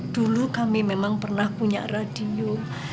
dulu kami memang pernah punya radio